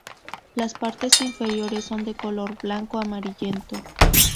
Las partes inferiores son de color blanco amarillento.